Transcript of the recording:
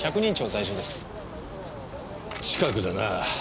近くだな。